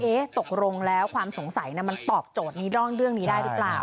เอ๊ะตกลงแล้วความสงสัยมันตอบโจทย์นี้ร่องเรื่องนี้ได้หรือเปล่า